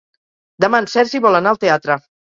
Demà en Sergi vol anar al teatre.